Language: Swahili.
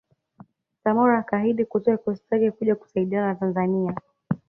Samora akaahidi kutoa kikosi chake kuja kusaidiana na Tanzania